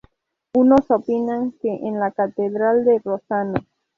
Unos opinan que en la catedral de Rossano.